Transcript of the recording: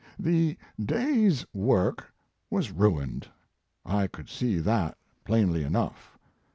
The day s work was ruined I could see that plainly enough.